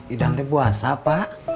iden tuh puasa pak